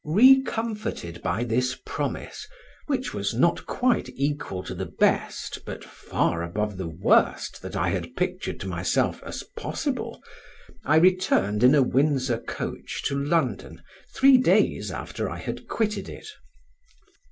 Recomforted by this promise, which was not quite equal to the best but far above the worst that I had pictured to myself as possible, I returned in a Windsor coach to London three days after I had quitted it.